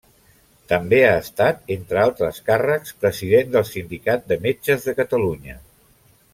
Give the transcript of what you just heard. També ha estat, entre altres càrrecs, president del Sindicat de Metges de Catalunya.